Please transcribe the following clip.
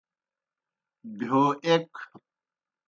بہیو ایْک۔